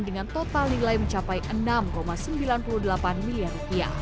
dengan total nilai mencapai rp enam sembilan puluh delapan miliar